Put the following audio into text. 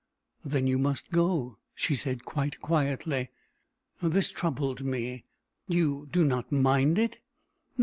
"Then you must go," she said, quite quietly. This troubled me. "You do not mind it?" "No.